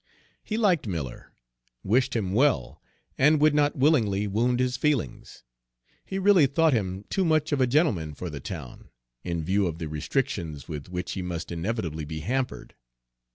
He liked Miller, wished him well, and would not wittingly wound his feelings. He really thought him too much of a gentleman for the town, in view of the restrictions with which he must inevitably be hampered.